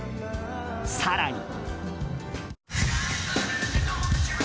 更に。